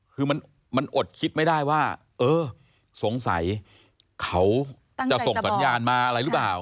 คือมันอดคิดไม่ได้ว่าเออสงสัยเขาจะส่งสัญญาณมาอะไรหรือเปล่า